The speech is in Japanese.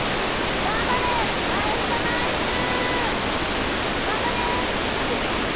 頑張れワイルドナイツ！